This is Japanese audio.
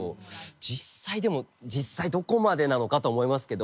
実際でも実際どこまでなのかとは思いますけど。